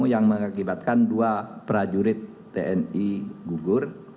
yang mengakibatkan dua prajurit tni gugur